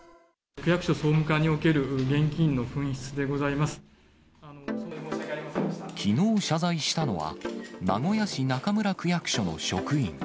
区役所総務課における現金のきのう謝罪したのは、名古屋市中村区役所の職員。